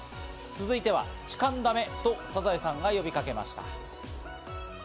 続いては痴漢だめとサザエさんが呼びかけました。